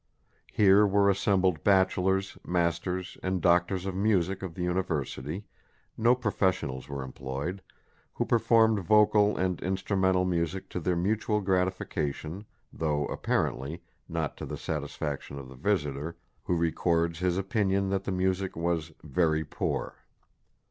Here were assembled bachelors, masters and doctors of music of the University no professionals were employed who performed vocal and instrumental music to their mutual gratification, though, apparently, not to the satisfaction of the visitor, who records his opinion that the music was "very poor."